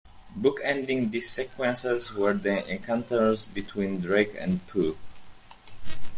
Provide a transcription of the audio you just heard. Bookending these sequences were the encounters between Drake and Pugh.